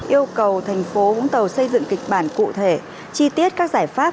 yêu cầu thành phố vũng tàu xây dựng kịch bản cụ thể chi tiết các giải pháp